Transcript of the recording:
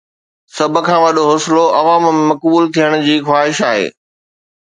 سڀ کان وڏو حوصلو عوام ۾ مقبول ٿيڻ جي خواهش آهي.